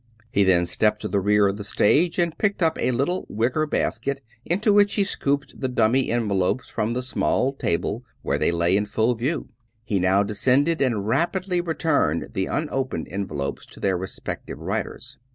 He then stepped to the rear of the stage and picked up a little wicker basket, into which he scooped the dummy envelopes from the small table where they lay in full view. He now descended and rapidly returned the unopened envelopes to their respec tive writers.